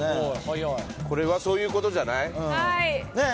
これはそういうことじゃない？ねえ？